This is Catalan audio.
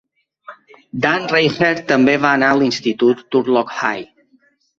Dan Reichert també va anar a l'institut Turlock High.